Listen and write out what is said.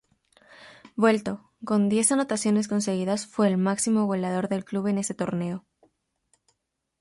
Vuelto, con diez anotaciones conseguidas, fue el máximo goleador del club en ese torneo.